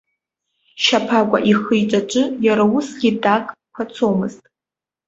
Шьаԥагәа ихы-иҿаҿы иара усгьы дак қәацомызт.